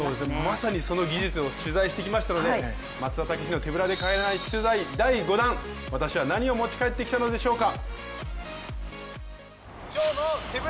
まさにその技術を取材してきましたので、松田丈志の手ぶらで帰らない取材第５弾、私は何を持ち帰ってきたのでしょうか。